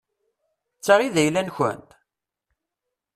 D ta i d ayla-nkent?